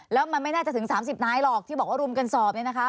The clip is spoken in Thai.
แล้วมันไม่น่าจะถึง๓๐นายหรอกที่บอกว่ารุมกันสอบเนี่ยนะคะ